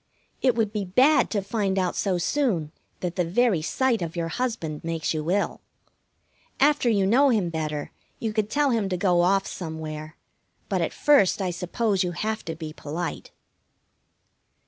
It would be bad to find out so soon that the very sight of your husband makes you ill. After you know him better, you could tell him to go off somewhere; but at first I suppose you have to be polite.